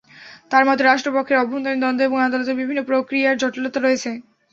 তাঁর মতে, রাষ্ট্রপক্ষের অভ্যন্তরীণ দ্বন্দ্ব এবং আদালতের বিভিন্ন প্রক্রিয়ার জটিলতা রয়েছে।